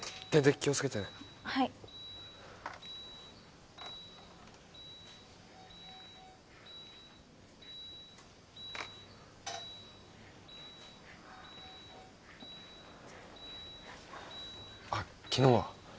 気をつけてはい昨日は？